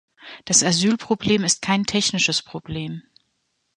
Das Asylproblem ist kein technisches Problem.